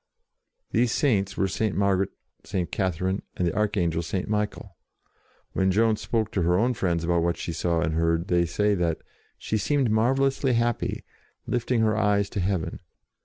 These Saints were St. Margaret, St. Catherine, and the Archangel St. Michael. When Joan spoke to her own friends about what she saw and heard, they say that " she seemed marvellously happy, lifting her eyes to heaven."